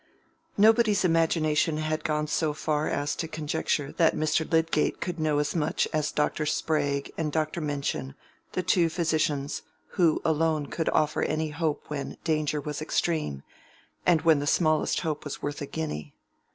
Nobody's imagination had gone so far as to conjecture that Mr. Lydgate could know as much as Dr. Sprague and Dr. Minchin, the two physicians, who alone could offer any hope when danger was extreme, and when the smallest hope was worth a guinea.